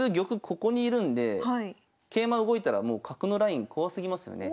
ここにいるんで桂馬動いたらもう角のライン怖すぎますよね。